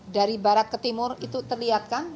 dari barat ke timur itu terlihat kan